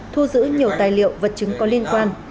thu giữ nhiều tài liệu vật chứng có liên quan